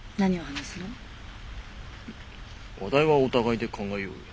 話題はお互いで考えようよ。